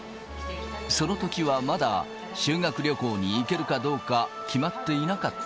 そのときはまだ修学旅行に行けるかどうか、決まっていなかった。